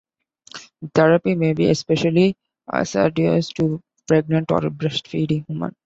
The therapy may be especially hazardous to pregnant or breast-feeding women.